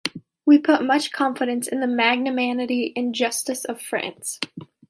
We put much confidence in the magnanimity and Justice of France.